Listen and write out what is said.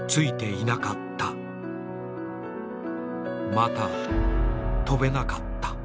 また飛べなかった。